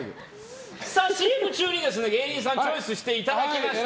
ＣＭ中に芸人さんチョイスしていただきました。